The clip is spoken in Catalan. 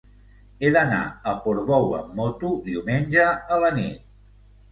He d'anar a Portbou amb moto diumenge a la nit.